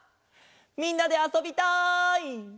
みんなであそびたい！